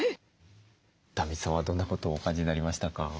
壇蜜さんはどんなことをお感じになりましたか？